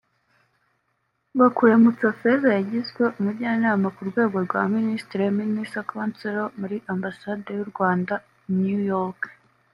Bakuramutsa Feza yagizwe Umujyanama ku rwego rwa Minisitiri (Minister Counselor) muri Ambasade y’u Rwanda i New York